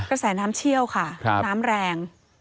กระแสน้ำเชี่ยวค่ะน้ำแรง